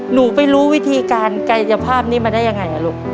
หนูไปรู้วิธีการกายภาพนี้มาได้ยังไงลูก